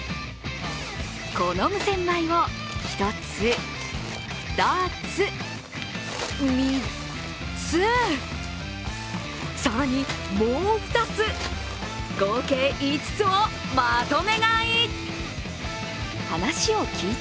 この無洗米を１つ、２つ、３つ更にもう２つ、合計５つをまとめ買い！